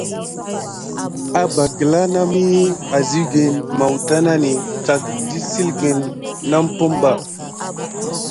Abba gəla naməhi aziwgine mawta nane tack dəssilgəne na mompum.